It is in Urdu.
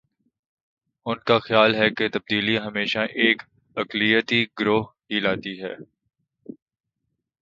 ان کا خیال ہے کہ تبدیلی ہمیشہ ایک اقلیتی گروہ ہی لاتا ہے۔